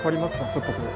ちょっとこう。